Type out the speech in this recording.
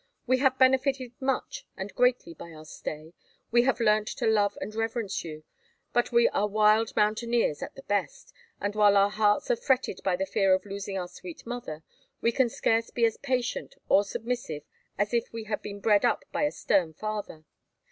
We have benefited much and greatly by our stay; we have learnt to love and reverence you; but we are wild mountaineers at the best; and, while our hearts are fretted by the fear of losing our sweet mother, we can scarce be as patient or submissive as if we had been bred up by a stern father.